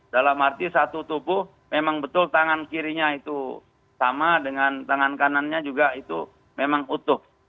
dalam arti satu tubuh memang betul tangan kirinya itu sama dengan tangan kanannya juga itu memang utuh